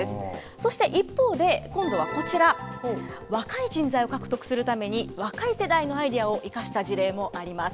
そして一方で今度はこちら、若い人材を獲得するために、若い世代のアイデアを生かした事例もあります。